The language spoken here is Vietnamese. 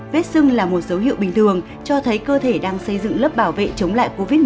vết sưng là một dấu hiệu bình thường cho thấy cơ thể đang xây dựng lớp bảo vệ chống lại covid một mươi chín